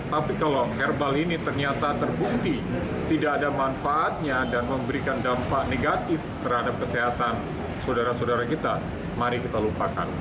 tapi kalau herbal ini ternyata terbukti tidak ada manfaatnya dan memberikan dampak negatif terhadap kesehatan saudara saudara kita mari kita lupakan